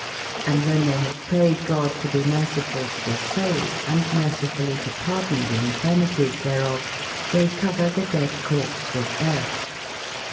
Hnd when they have praied God to be mercifull to the soule, and mercifully to pardon the infir/ ^ ^villina mities therof, they cover the dead coorse ^nd a merye with earth.